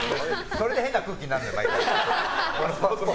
それで変な空気になるんだよ、毎回。